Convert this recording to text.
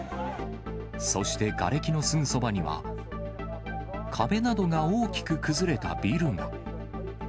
そしてがれきのすぐそばには、壁などが大きく崩れたビルが。